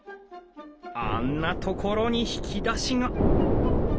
あんな所に引き出しが！